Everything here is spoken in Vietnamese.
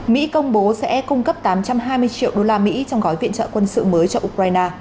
mỹ công bố sẽ cung cấp tám trăm hai mươi triệu đô la mỹ trong gói viện trợ quân sự mới cho ukraine